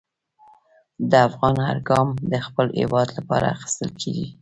د افغان هر ګام د خپل هېواد لپاره اخیستل کېږي.